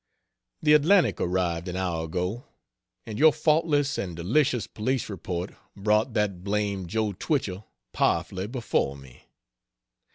The Atlantic arrived an hour ago, and your faultless and delicious Police Report brought that blamed Joe Twichell powerfully before me.